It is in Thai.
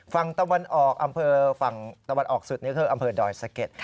ฝั่งตะวันออกอำเภอฝั่งตะวันออกสุดนี่คืออำเภอดอยสะเก็ด